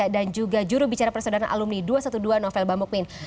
dan juga juru bicara persaudara alumni dua ratus dua belas novel bambukmin